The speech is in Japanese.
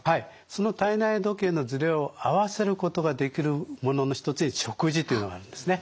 その体内時計のズレを合わせることができるものの一つに食事というのがあるんですね。